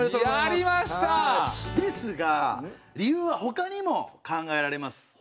やりました！ですが理由は他にも考えられます。